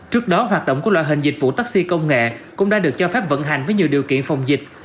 trước đó hoạt động của loại hình dịch vụ taxi công nghệ cũng đã được cho phép vận hành với nhiều điều kiện phòng dịch